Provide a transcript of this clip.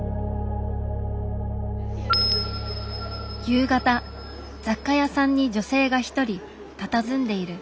夕方雑貨屋さんに女性が一人たたずんでいる。